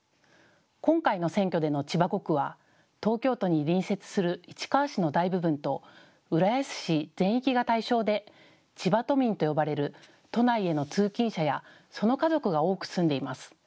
今回の選挙での千葉５区は東京都に隣接する市川市の大部分と浦安市全域が対象で千葉都民と呼ばれる都内への通勤者やその家族が多く住んでいます。